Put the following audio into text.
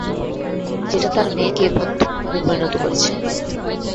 যেটা তার মেয়েকে বদ্ধউন্মাদে পরিণত করেছে।